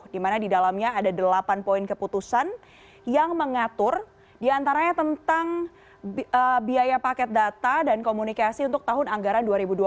dimana di dalamnya ada delapan poin keputusan yang mengatur diantaranya tentang biaya paket data dan komunikasi untuk tahun anggaran dua ribu dua puluh